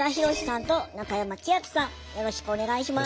よろしくお願いします。